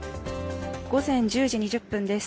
午前１０時２０分です。